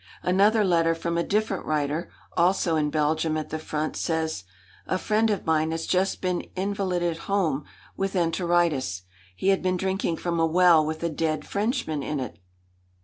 Another letter from a different writer, also in Belgium at the front, says: "A friend of mine has just been invalided home with enteritis. He had been drinking from a well with a dead Frenchman in it!"